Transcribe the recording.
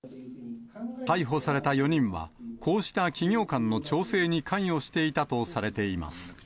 逮捕された４人は、こうした企業間の調整に関与していたとされています。